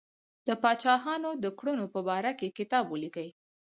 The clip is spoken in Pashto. د پاچاهانو د کړنو په باره کې کتاب ولیکي.